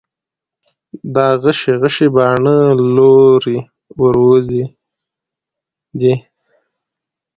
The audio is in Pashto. دا غشي غشي باڼه، لورې وروځې دي